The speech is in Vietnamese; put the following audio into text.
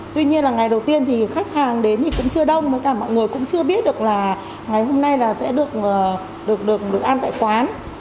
tuy nhiên là ngày đầu tiên thì khách hàng đến thì cũng chưa đông với cả mọi người cũng chưa biết được là ngày hôm nay là sẽ được ăn tại quán